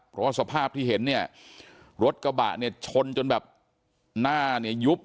เพราะสภาพที่เห็นรถกระบะชนจนแบบหน้ายุบ